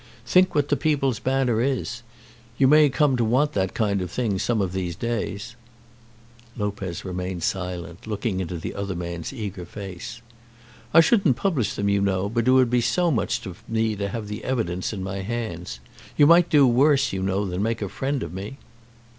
Think what the 'People's Banner' is. You may come to want that kind of thing some of these days." Lopez remained silent, looking into the other man's eager face. "I shouldn't publish them, you know; but it would be so much to me to have the evidence in my hands. You might do worse, you know, than make a friend of me."